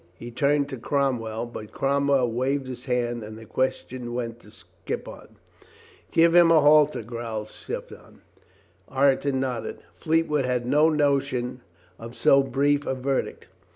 He turned to Cromwell. But Cromwell waved his hand and the question went to Skippon. "Give him a halter," growled Skippon. Ireton nodded. Fleetwood had no notion of so brief a verdict.